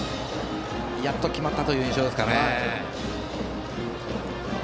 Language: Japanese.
やっと決まったという印象ですね。